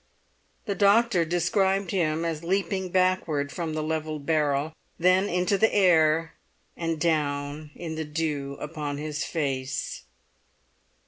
The doctor described him as leaping backward from the levelled barrel, then into the air and down in the dew upon his face.